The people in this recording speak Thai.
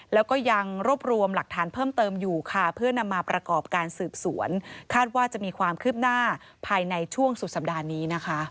แล้วก็ยังรวบรวมหลักฐานเพิ่มเติมอยู่ค่ะเพื่อนำมาประกอบการสืบสวนคาดว่าจะมีความคืบหน้าภายในช่วงสุดสัปดาห์นี้นะคะ